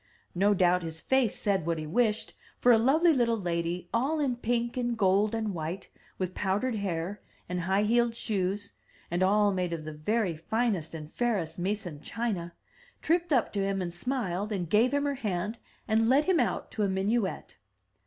No doubt his face said what he wished; for a lovely little lady, all in pink and gold and white, with powdered hair, and high heeled shoes, and all made of the very finest and fairest Meissen china, tripped up to him, and smiled, and gave him her hand, and led him out to a minuet.